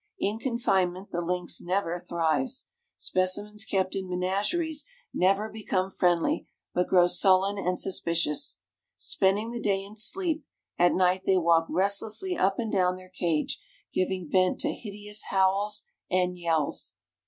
In confinement the lynx never thrives. Specimens kept in menageries never become friendly, but grow sullen and suspicious. Spending the day in sleep, at night they walk restlessly up and down their cage, giving vent to hideous howls and yells.